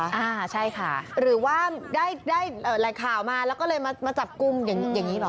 อ่าใช่ค่ะหรือว่าได้แหล่งข่าวมาแล้วก็เลยมาจับกลุ่มอย่างนี้เหรอ